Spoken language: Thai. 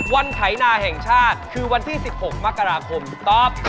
ไถนาแห่งชาติคือวันที่๑๖มกราคมตอบ